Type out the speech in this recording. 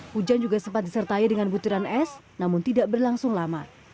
hujan juga sempat disertai dengan butiran es namun tidak berlangsung lama